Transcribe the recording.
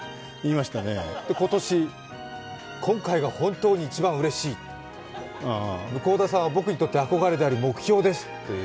今年、今回が本当に一番うれしい、向田さんは僕にとって憧れであり目標ですと。